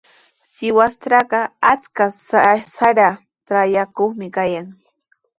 Sihuastrawqa achka sara trakrayuqmi kayan.